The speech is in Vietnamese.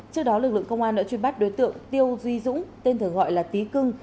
trước đó lực lượng công an đã truy bắt đối tượng tiêu duy dũng tên thường gọi là tý cưng